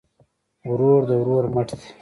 ورور د ورور مټ دی